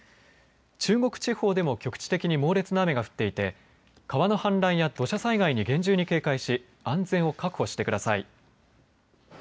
中国地方でも局地的に猛烈な雨が降っていて川の氾濫や土砂災害に厳重に警戒し安全を確保してください。